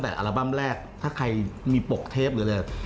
สมุนตัวแรกถ้าใครมีปลกเทปหรือไม่